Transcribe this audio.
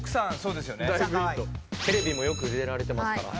テレビもよく出られてますから。